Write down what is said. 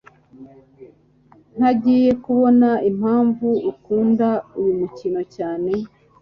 Ntangiye kubona impamvu ukunda uyu mukino cyane.